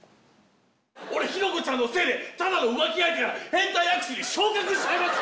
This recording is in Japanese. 俺ヒロコちゃんのせいでただの浮気相手が変態空き巣に昇格しちゃいました。